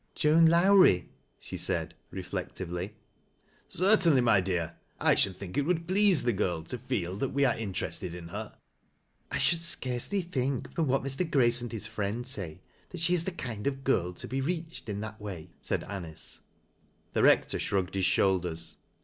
" Joan Lowrie ?" she said refiectively. " Certainly, my dear. I should think it would please )he girl to feel that we are interested in her." "I should scarcely think — from what Mr, Grace aiKl his friend say — that she is the kind of a girl tc be reached In that way," said Anice The Eector shrugged bis shoulders.